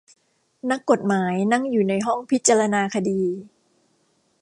นักกฏหมายนั่งอยู่ในห้องพิจารณาคดี